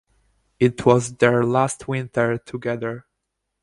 It was their last winter together.